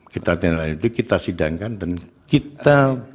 kita tindaklanjuti kita sidangkan dan kita